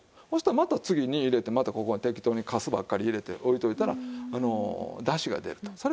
そしたらまた次に入れてまたここに適当にカスばっかり入れておいておいたらだしが出ると。